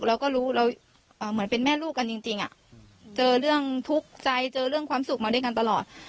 เราก็รู้เราเหมือนเป็นแม่ลูกกันจริงเจอเรื่องทุกข์ใจเจอเรื่องความสุขมาด้วยกันตลอด